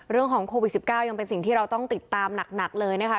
เรื่องของโควิด๑๙ยังเป็นสิ่งที่เราต้องติดตามหนักเลยนะคะ